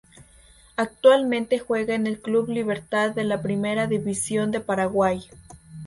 Actualmente juega en el Club Libertad de la Primera División de Paraguay.